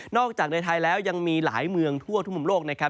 จากในไทยแล้วยังมีหลายเมืองทั่วทุกมุมโลกนะครับ